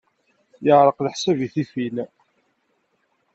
Yeɛreq leḥsab i tifin.